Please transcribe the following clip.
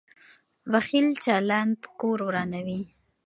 بخیل چلند کور ورانوي.